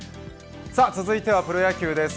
続いてはプロ野球です。